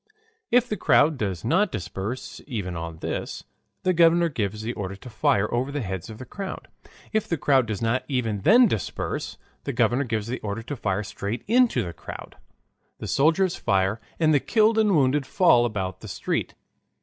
If the crowd does not disperse even on this, the governor gives the order to fire over the heads of the crowd. If the crowd does not even then disperse, the governor gives the order to fire straight into the crowd; the soldiers fire and the killed and wounded fall about the street.